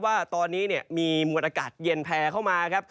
ว่าตอนนี้มีมวลอากาศเย็นแพร่เข้ามาครับ